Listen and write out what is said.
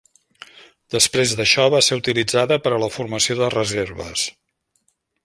Després d'això, va ser utilitzada per a la formació de reserves.